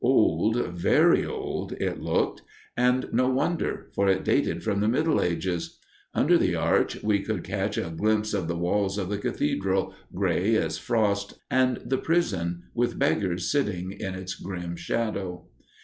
Old, very old it looked. And no wonder! for it dated from the Middle Ages. Under the arch we could catch a glimpse of the walls of the cathedral, gray as frost, and the prison, with beggars sitting in its grim shadow.